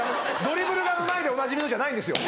「ドリブルがうまいでおなじみの」じゃないんですよ。